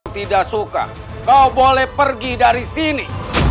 tidak suka kau boleh pergi dari sini